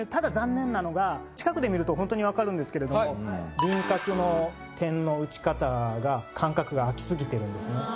近くで見るとほんとに分かるんですけれども輪郭の点の打ち方が間隔が空き過ぎてるんですね。